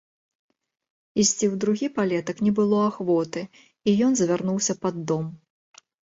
Ісці ў другі палетак не было ахвоты, і ён завярнуўся пад дом.